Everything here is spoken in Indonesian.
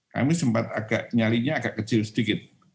kami sempat agak nyalinya agak kecil sedikit